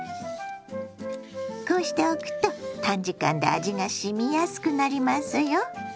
こうしておくと短時間で味がしみやすくなりますよ。